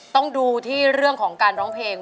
ต้องดูที่เรื่องของการร้องเพลง